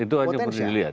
itu saja yang bisa dilihat